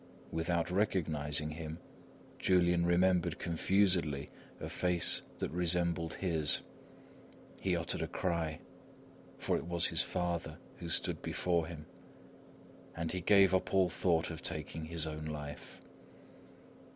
Without recognising him, Julian remembered confusedly a face that resembled his. He uttered a cry; for it was his father who stood before him; and he gave up all thought of taking his own life.